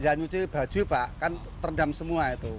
ya nyuci baju pak kan terendam semua itu